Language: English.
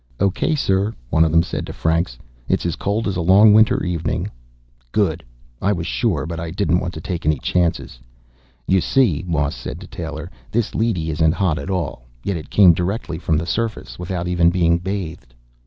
"Okay, sir," one of them said to Franks. "It's as cold as a long winter evening." "Good. I was sure, but I didn't want to take any chances." "You see," Moss said to Taylor, "this leady isn't hot at all. Yet it came directly from the surface, without even being bathed."